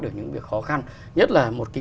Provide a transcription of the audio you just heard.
được những việc khó khăn nhất là một cái